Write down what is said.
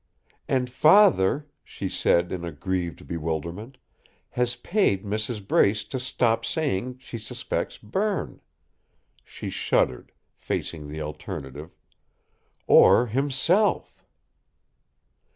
"And father," she said, in a grieved bewilderment, "has paid Mrs. Brace to stop saying she suspects Berne," she shuddered, facing the alternative, "or himself!"